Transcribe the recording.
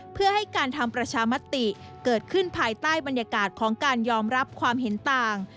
เพื่อให้การทำประชามติเกิดขึ้นภายใต้บรรยากาศของการยอมรับความเห็นต่าง